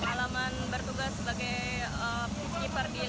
alaman bertugas sebagai pilih parginal